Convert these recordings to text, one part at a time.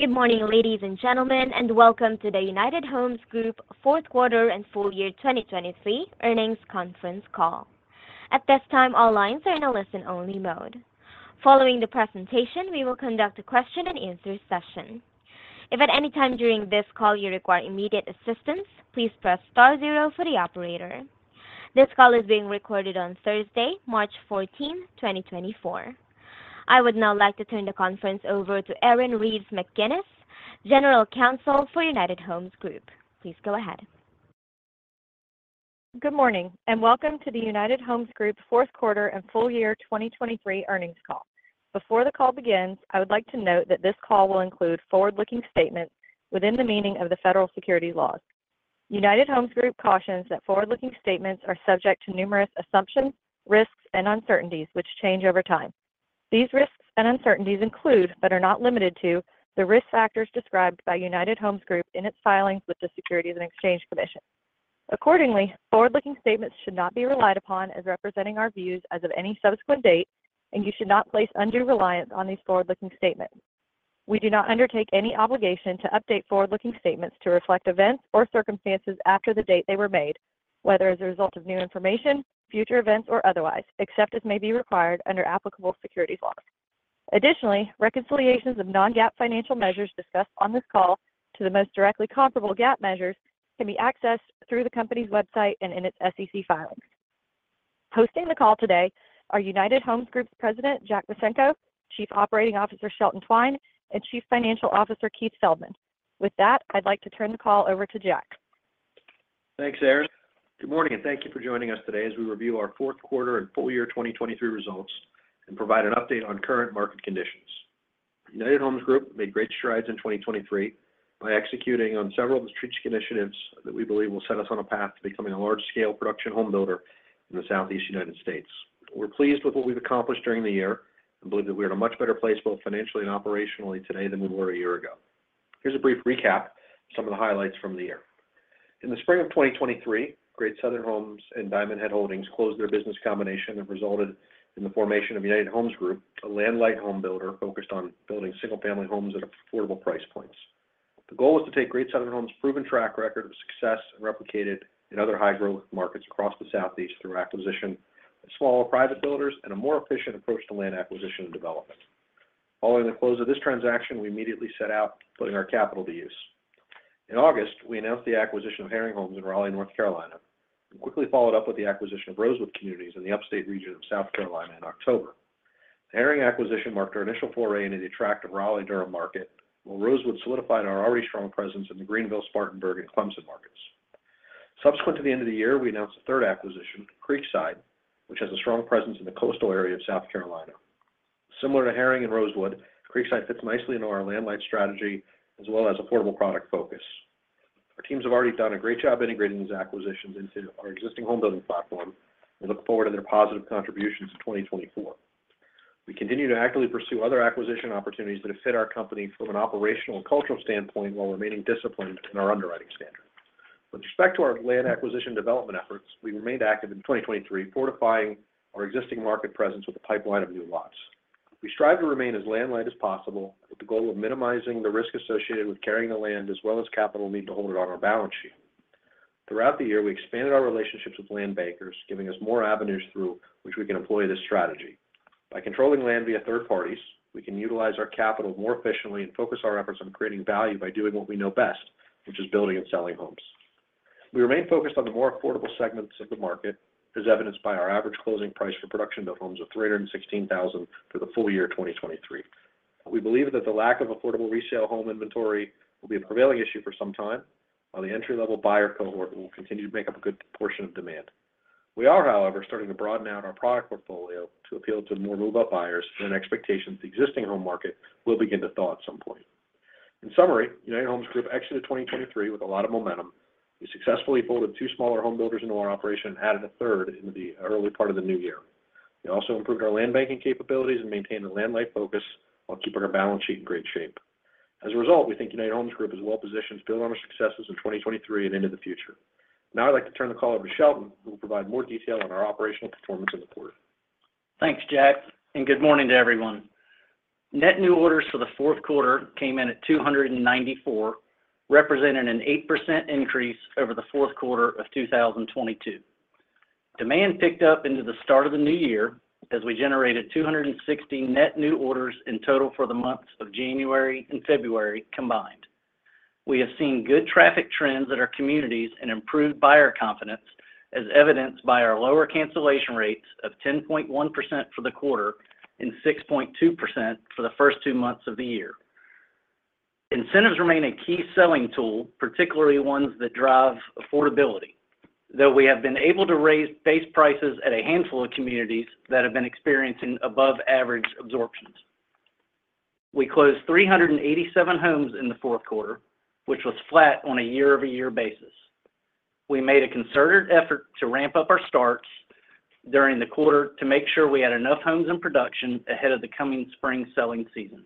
Good morning, ladies and gentlemen, and welcome to the United Homes Group Fourth Quarter and Full Year 2023 earnings conference call. At this time, all lines are in a listen-only mode. Following the presentation, we will conduct a question-and-answer session. If at any time during this call you require immediate assistance, please press star zero for the operator. This call is being recorded on Thursday, March 14, 2024. I would now like to turn the conference over to Erin Reeves McGinnis, General Counsel for United Homes Group. Please go ahead. Good morning, and welcome to the United Homes Group Fourth Quarter and Full Year 2023 earnings call. Before the call begins, I would like to note that this call will include forward-looking statements within the meaning of the federal securities laws. United Homes Group cautions that forward-looking statements are subject to numerous assumptions, risks, and uncertainties, which change over time. These risks and uncertainties include, but are not limited to, the risk factors described by United Homes Group in its filings with the Securities and Exchange Commission. Accordingly, forward-looking statements should not be relied upon as representing our views as of any subsequent date, and you should not place undue reliance on these forward-looking statements. We do not undertake any obligation to update forward-looking statements to reflect events or circumstances after the date they were made, whether as a result of new information, future events, or otherwise, except as may be required under applicable securities laws. Additionally, reconciliations of non-GAAP financial measures discussed on this call to the most directly comparable GAAP measures can be accessed through the company's website and in its SEC filings. Hosting the call today are United Homes Group's President, Jack Micenko, Chief Operating Officer, Shelton Twine, and Chief Financial Officer, Keith Feldman. With that, I'd like to turn the call over to Jack. Thanks, Erin. Good morning, and thank you for joining us today as we review our fourth quarter and full year 2023 results and provide an update on current market conditions. United Homes Group made great strides in 2023 by executing on several strategic initiatives that we believe will set us on a path to becoming a large-scale production home builder in the Southeast United States. We're pleased with what we've accomplished during the year and believe that we are in a much better place, both financially and operationally today than we were a year ago. Here's a brief recap of some of the highlights from the year. In the spring of 2023, Great Southern Homes and DiamondHead Holdings closed their business combination and resulted in the formation of United Homes Group, a land-light home builder focused on building single-family homes at affordable price points. The goal was to take Great Southern Homes' proven track record of success and replicate it in other high-growth markets across the Southeast through acquisition of smaller private builders and a more efficient approach to land acquisition and development. Following the close of this transaction, we immediately set out putting our capital to use. In August, we announced the acquisition of Herring Homes in Raleigh, North Carolina, and quickly followed up with the acquisition of Rosewood Communities in the Upstate region of South Carolina in October. The Herring acquisition marked our initial foray into the attractive Raleigh-Durham market, while Rosewood solidified our already strong presence in the Greenville, Spartanburg, and Clemson markets. Subsequent to the end of the year, we announced a third acquisition, Creekside, which has a strong presence in the coastal area of South Carolina. Similar to Herring and Rosewood, Creekside fits nicely into our land-light strategy, as well as affordable product focus. Our teams have already done a great job integrating these acquisitions into our existing home building platform. We look forward to their positive contributions in 2024. We continue to actively pursue other acquisition opportunities that have fit our company from an operational and cultural standpoint, while remaining disciplined in our underwriting standards. With respect to our land acquisition development efforts, we remained active in 2023, fortifying our existing market presence with a pipeline of new lots. We strive to remain as land-light as possible, with the goal of minimizing the risk associated with carrying the land, as well as capital need to hold it on our balance sheet. Throughout the year, we expanded our relationships with land bankers, giving us more avenues through which we can employ this strategy. By controlling land via third parties, we can utilize our capital more efficiently and focus our efforts on creating value by doing what we know best, which is building and selling homes. We remain focused on the more affordable segments of the market, as evidenced by our average closing price for production-built homes of $316,000 for the full year 2023. We believe that the lack of affordable resale home inventory will be a prevailing issue for some time, while the entry-level buyer cohort will continue to make up a good portion of demand. We are, however, starting to broaden out our product portfolio to appeal to more move-up buyers and an expectation that the existing home market will begin to thaw at some point. In summary, United Homes Group exited 2023 with a lot of momentum. We successfully folded two smaller home builders into our operation and added a third in the early part of the new year. We also improved our land banking capabilities and maintained a land-light focus while keeping our balance sheet in great shape. As a result, we think United Homes Group is well-positioned to build on our successes in 2023 and into the future. Now, I'd like to turn the call over to Shelton, who will provide more detail on our operational performance in the quarter. Thanks, Jack, and good morning to everyone. Net new orders for the fourth quarter came in at 294, representing an 8% increase over the fourth quarter of 2022. Demand picked up into the start of the new year, as we generated 260 net new orders in total for the months of January and February combined. We have seen good traffic trends at our communities and improved buyer confidence, as evidenced by our lower cancellation rates of 10.1% for the quarter and 6.2% for the first two months of the year. Incentives remain a key selling tool, particularly ones that drive affordability, though we have been able to raise base prices at a handful of communities that have been experiencing above-average absorptions. We closed 387 homes in the fourth quarter, which was flat on a year-over-year basis. We made a concerted effort to ramp up our starts during the quarter to make sure we had enough homes in production ahead of the coming spring selling season.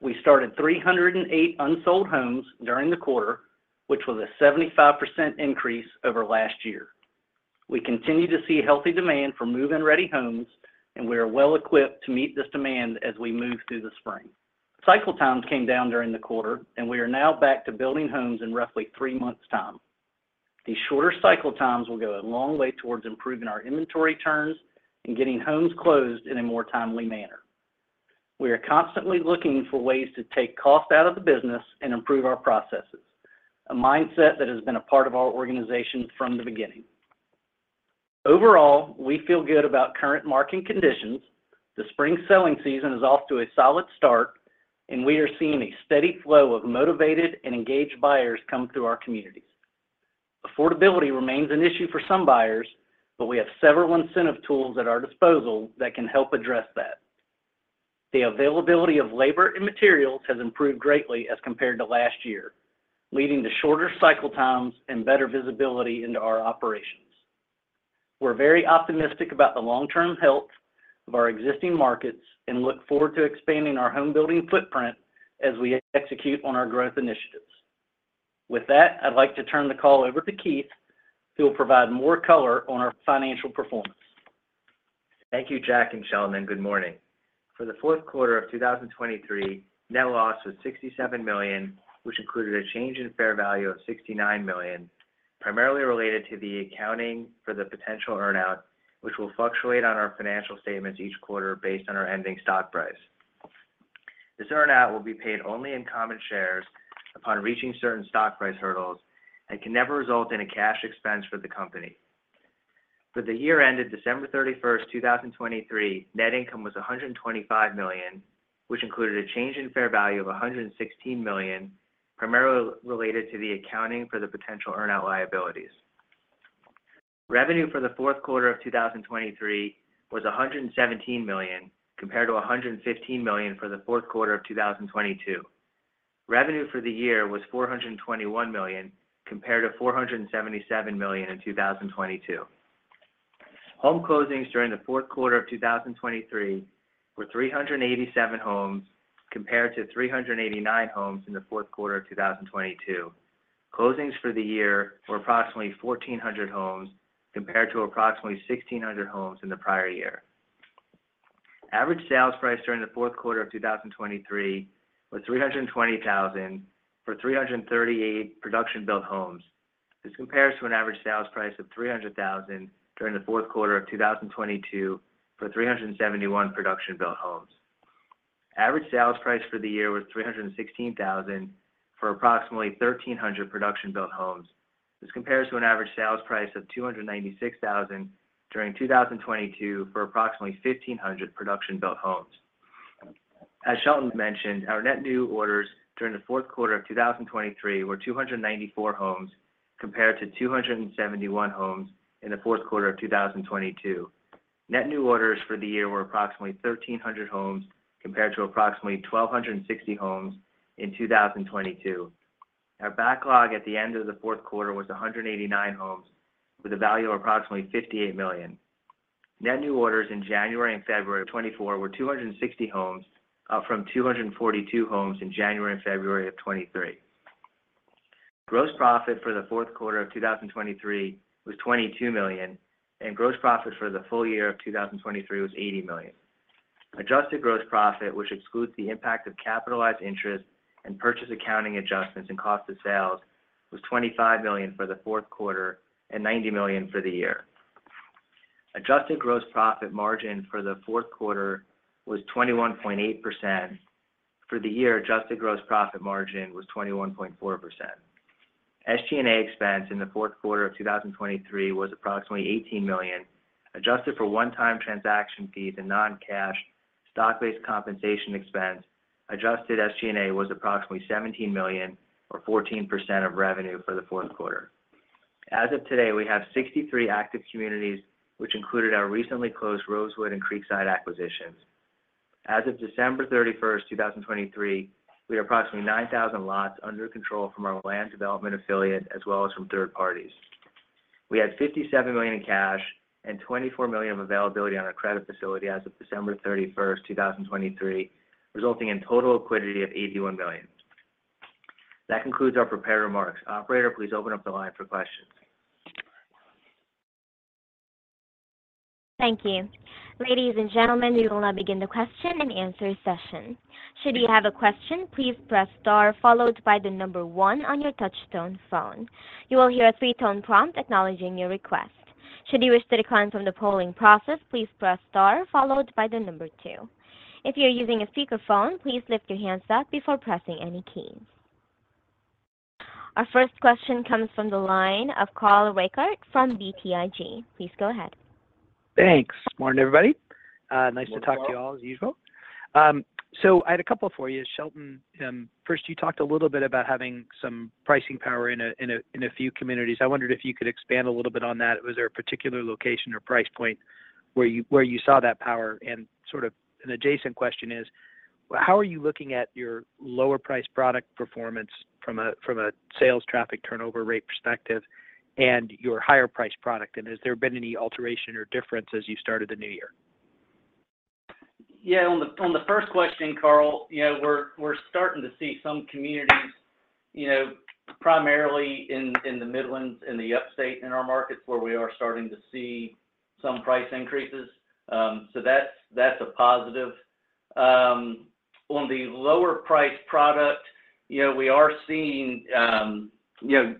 We started 308 unsold homes during the quarter, which was a 75% increase over last year. We continue to see healthy demand for move-in-ready homes, and we are well equipped to meet this demand as we move through the spring. Cycle times came down during the quarter, and we are now back to building homes in roughly three months' time. These shorter cycle times will go a long way towards improving our inventory turns and getting homes closed in a more timely manner. We are constantly looking for ways to take costs out of the business and improve our processes, a mindset that has been a part of our organization from the beginning. Overall, we feel good about current market conditions. The spring selling season is off to a solid start, and we are seeing a steady flow of motivated and engaged buyers come through our communities. Affordability remains an issue for some buyers, but we have several incentive tools at our disposal that can help address that. The availability of labor and materials has improved greatly as compared to last year, leading to shorter cycle times and better visibility into our operations. We're very optimistic about the long-term health of our existing markets and look forward to expanding our home building footprint as we execute on our growth initiatives. With that, I'd like to turn the call over to Keith, who will provide more color on our financial performance. Thank you, Jack and Shelton, and good morning. For the fourth quarter of 2023, net loss was $67 million, which included a change in fair value of $69 million, primarily related to the accounting for the potential earn-out, which will fluctuate on our financial statements each quarter based on our ending stock price. This earn-out will be paid only in common shares upon reaching certain stock price hurdles and can never result in a cash expense for the company. For the year ended December 31, 2023, net income was $125 million, which included a change in fair value of $116 million, primarily related to the accounting for the potential earn-out liabilities. Revenue for the fourth quarter of 2023 was $117 million, compared to $115 million for the fourth quarter of 2022. Revenue for the year was $421 million, compared to $477 million in 2022. Home closings during the fourth quarter of 2023 were 387 homes, compared to 389 homes in the fourth quarter of 2022. Closings for the year were approximately 1,400 homes, compared to approximately 1,600 homes in the prior year. Average sales price during the fourth quarter of 2023 was $320,000 for 338 production-built homes. This compares to an average sales price of $300,000 during the fourth quarter of 2022 for 371 production-built homes. Average sales price for the year was $316,000 for approximately 1,300 production-built homes. This compares to an average sales price of $296,000 during 2022 for approximately 1,500 production-built homes. As Shelton mentioned, our net new orders during the fourth quarter of 2023 were 294 homes, compared to 271 homes in the fourth quarter of 2022. Net new orders for the year were approximately 1,300 homes, compared to approximately 1,260 homes in 2022. Our backlog at the end of the fourth quarter was 189 homes with a value of approximately $58 million. Net new orders in January and February of 2024 were 260 homes, up from 242 homes in January and February of 2023. Gross profit for the fourth quarter of 2023 was $22 million, and gross profit for the full year of 2023 was $80 million. Adjusted gross profit, which excludes the impact of capitalized interest and purchase accounting adjustments and cost of sales, was $25 million for the fourth quarter and $90 million for the year. Adjusted gross profit margin for the fourth quarter was 21.8%. For the year, adjusted gross profit margin was 21.4%. SG&A expense in the fourth quarter of 2023 was approximately $18 million, adjusted for one-time transaction fees and non-cash stock-based compensation expense. Adjusted SG&A was approximately $17 million or 14% of revenue for the fourth quarter. As of today, we have 63 active communities, which included our recently closed Rosewood and Creekside acquisitions. As of December 31, 2023, we have approximately 9,000 lots under control from our land development affiliate as well as from third parties. We had $57 million in cash and $24 million of availability on our credit facility as of December 31, 2023, resulting in total liquidity of $81 million. That concludes our prepared remarks. Operator, please open up the line for questions. Thank you. Ladies and gentlemen, we will now begin the question-and-answer session. Should you have a question, please press star followed by one on your touchtone phone. You will hear a three-tone prompt acknowledging your request. Should you wish to decline from the polling process, please press star followed by two. If you're using a speakerphone, please lift your handset before pressing any keys. Our first question comes from the line of Carl Reichardt from BTIG. Please go ahead. Thanks. Morning, everybody. Nice to talk to you all as usual. So I had a couple for you, Shelton. First, you talked a little bit about having some pricing power in a few communities. I wondered if you could expand a little bit on that. Was there a particular location or price point where you saw that power? And sort of an adjacent question is: How are you looking at your lower-priced product performance from a sales traffic turnover rate perspective and your higher-priced product, and has there been any alteration or difference as you started the new year?... Yeah, on the first question, Carl, you know, we're starting to see some communities, you know, primarily in the Midlands, in the Upstate, in our markets, where we are starting to see some price increases. So that's a positive. On the lower price product, you know, we are seeing, you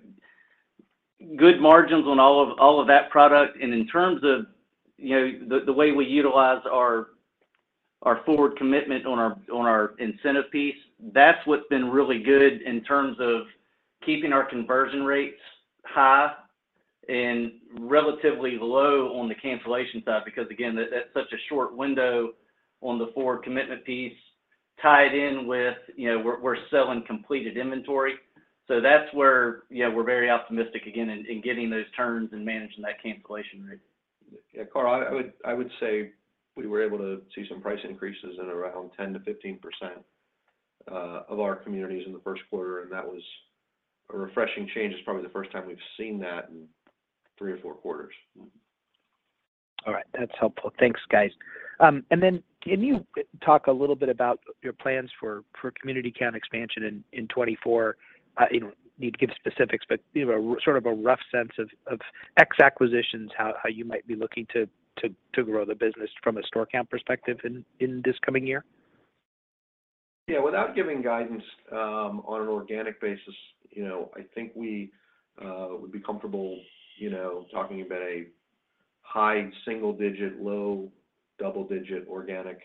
know, good margins on all of that product. And in terms of, you know, the way we utilize our forward commitment on our incentive piece, that's what's been really good in terms of keeping our conversion rates high and relatively low on the cancellation side. Because, again, that's such a short window on the forward commitment piece, tied in with, you know, we're selling completed inventory. So that's where, you know, we're very optimistic again in getting those turns and managing that cancellation rate. Yeah, Carl, I would say we were able to see some price increases at around 10%-15% of our communities in the first quarter, and that was a refreshing change. It's probably the first time we've seen that in three or four quarters. All right. That's helpful. Thanks, guys. And then can you talk a little bit about your plans for community count expansion in 2024? You don't need to give specifics, but, you know, a sort of a rough sense of X acquisitions, how you might be looking to grow the business from a store count perspective in this coming year. Yeah, without giving guidance, on an organic basis, you know, I think we would be comfortable, you know, talking about a high single digit, low double digit organic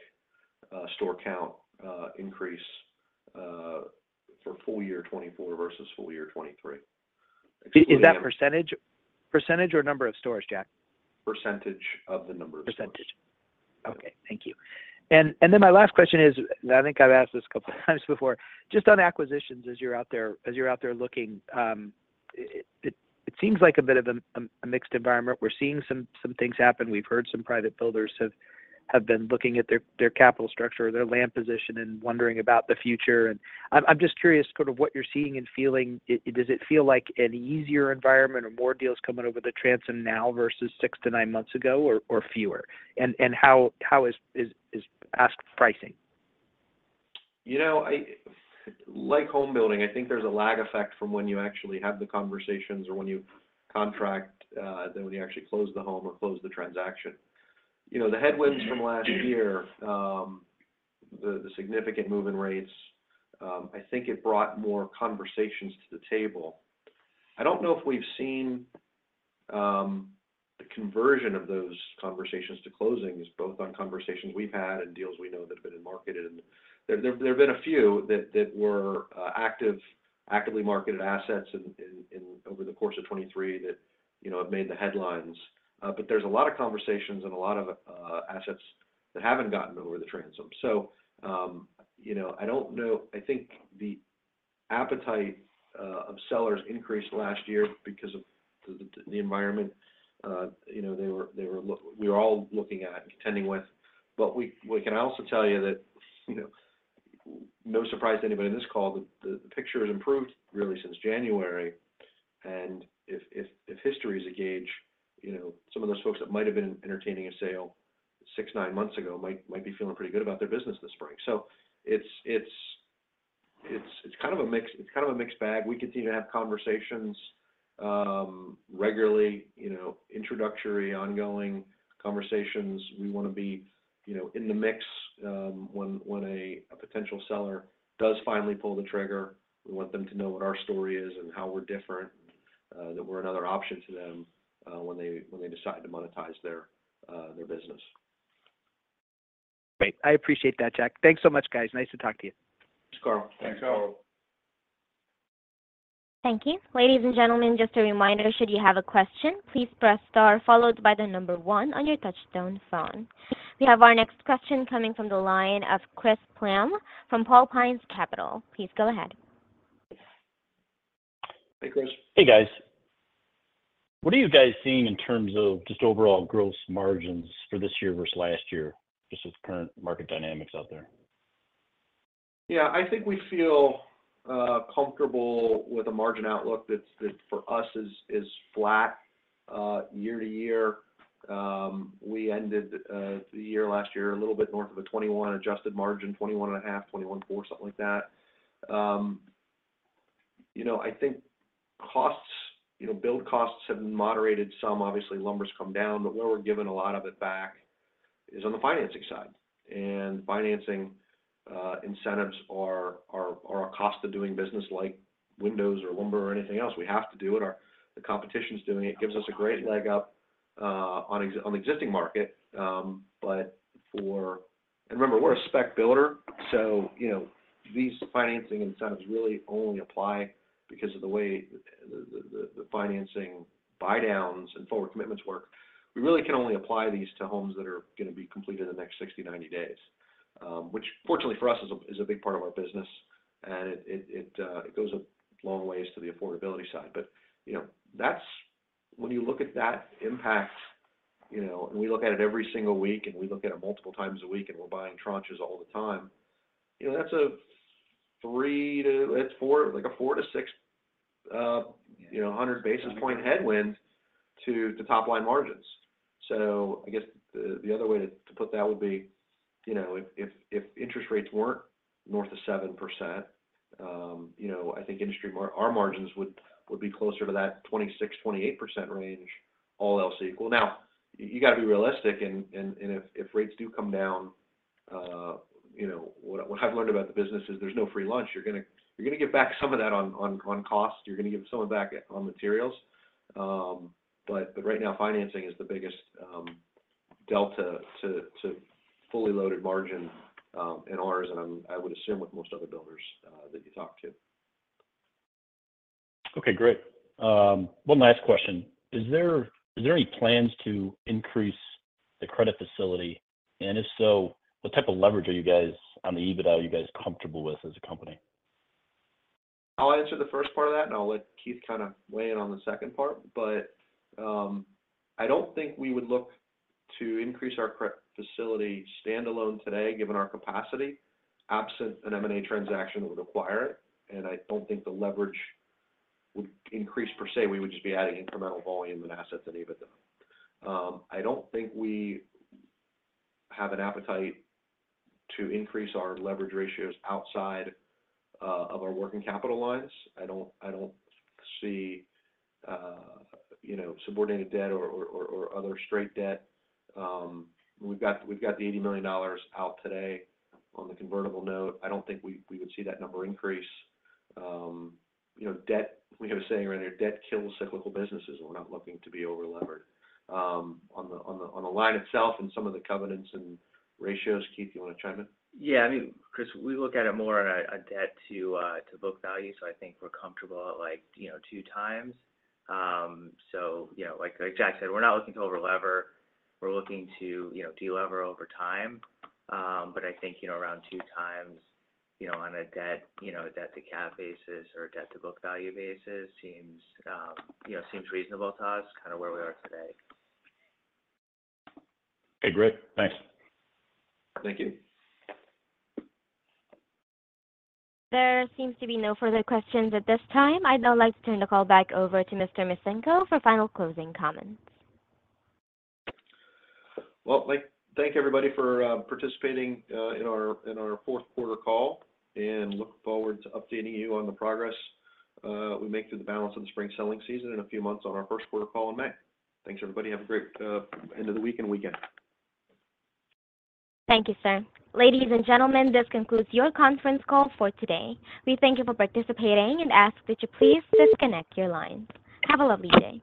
store count increase for full year 2024 versus full year 2023. Is that percentage? Percentage or number of stores, Jack? Percentage of the number of stores. Percentage. Okay, thank you. And then my last question is, and I think I've asked this a couple of times before, just on acquisitions, as you're out there looking, it seems like a bit of a mixed environment. We're seeing some things happen. We've heard some private builders have been looking at their capital structure or their land position and wondering about the future. And I'm just curious sort of what you're seeing and feeling. Does it feel like an easier environment or more deals coming over the transom now versus 6-9 months ago, or fewer? And how is ask pricing? You know, I like home building. I think there's a lag effect from when you actually have the conversations or when you contract than when you actually close the home or close the transaction. You know, the headwinds from last year, the significant move in rates, I think it brought more conversations to the table. I don't know if we've seen the conversion of those conversations to closings, both on conversations we've had and deals we know that have been marketed. There have been a few that were actively marketed assets in over the course of 2023 that, you know, have made the headlines. But there's a lot of conversations and a lot of assets that haven't gotten over the transom. So, you know, I don't know. I think the appetite of sellers increased last year because of the environment. You know, they were, we were all looking at and contending with. But we can also tell you that, you know, no surprise to anybody in this call, the picture has improved really since January. And if history is a gauge, you know, some of those folks that might have been entertaining a sale 6-9 months ago, might be feeling pretty good about their business this spring. So it's kind of a mixed bag. We continue to have conversations regularly, you know, introductory, ongoing conversations. We want to be, you know, in the mix, when a potential seller does finally pull the trigger, we want them to know what our story is and how we're different, that we're another option to them, when they decide to monetize their business. Great. I appreciate that, Jack. Thanks so much, guys. Nice to talk to you. Thanks, Carl. Thanks, Carl. Thank you. Ladies and gentlemen, just a reminder, should you have a question, please press star followed by the number one on your touchtone phone. We have our next question coming from the line of Chris Plahm from Tall Pines Capital. Please go ahead. Hey, Chris. Hey, guys. What are you guys seeing in terms of just overall gross margins for this year versus last year, just with current market dynamics out there? Yeah, I think we feel comfortable with a margin outlook that's for us is flat year-over-year. We ended the year last year a little bit north of a 21 adjusted margin, 21.5, 21.4, something like that. You know, I think costs, you know, build costs have moderated some. Obviously, lumber's come down, but where we're giving a lot of it back is on the financing side. And financing incentives are a cost of doing business, like windows or lumber or anything else. We have to do it. Our the competition is doing it, gives us a great leg up on the existing market. But for... And remember, we're a spec builder, so, you know, these financing incentives really only apply because of the way the financing buy downs and forward commitments work. We really can only apply these to homes that are going to be completed in the next 60-90 days, which fortunately for us, is a big part of our business, and it goes a long ways to the affordability side. But, you know, that's—when you look at that impact, you know, and we look at it every single week, and we look at it multiple times a week, and we're buying tranches all the time, you know, that's a three to—it's four, like a four to six, a 100 basis point headwind to top line margins. So I guess the other way to put that would be, you know, if interest rates weren't north of 7%, you know, I think our margins would be closer to that 26%-28% range, all else equal. Now, you gotta be realistic and if rates do come down, you know, what I've learned about the business is there's no free lunch. You're gonna get back some of that on cost. You're gonna get some of it back on materials. But right now, financing is the biggest delta to fully loaded margin in ours, and I would assume with most other builders that you talk to. Okay, great. One last question. Is there any plans to increase the credit facility? And if so, what type of leverage are you guys on the EBITDA? Are you guys comfortable with as a company? I'll answer the first part of that, and I'll let Keith kind of weigh in on the second part. But I don't think we would look to increase our credit facility standalone today, given our capacity, absent an M&A transaction that would acquire it, and I don't think the leverage would increase per se. We would just be adding incremental volume and assets and EBITDA. I don't think we have an appetite to increase our leverage ratios outside of our working capital lines. I don't see you know, subordinated debt or other straight debt. We've got $80 million out today on the convertible note. I don't think we would see that number increase. You know, debt - we have a saying around here, "Debt kills cyclical businesses," and we're not looking to be over-levered. On the line itself and some of the covenants and ratios, Keith, you want to chime in? Yeah, I mean, Chris, we look at it more on a debt to book value, so I think we're comfortable at, like, you know, 2x. So you know, like, like Jack said, we're not looking to over-lever. We're looking to, you know, de-lever over time. But I think, you know, around 2x, you know, on a debt to cap basis or debt to book value basis seems, you know, seems reasonable to us, kind of where we are today. Okay, great. Thanks. Thank you. There seems to be no further questions at this time. I'd now like to turn the call back over to Mr. Micenko for final closing comments. Well, like, thank you, everybody, for participating in our fourth quarter call, and look forward to updating you on the progress we make through the balance of the spring selling season in a few months on our first quarter call in May. Thanks, everybody. Have a great end of the week and weekend. Thank you, sir. Ladies and gentlemen, this concludes your conference call for today. We thank you for participating and ask that you please disconnect your lines. Have a lovely day.